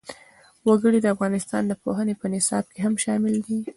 وګړي د افغانستان د پوهنې په نصاب کې هم شامل دي.